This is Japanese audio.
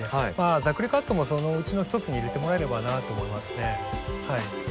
ざっくりカットもそのうちの一つに入れてもらえればなと思いますね。